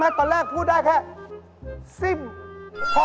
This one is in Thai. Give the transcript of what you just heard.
เดี๋ยวนี้พูดได้๓คำ